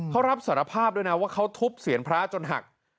เขารับสารภาพด้วยนะว่าเขาทุบเสียงพระจนหัก